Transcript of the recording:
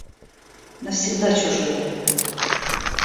Навсегда чужие!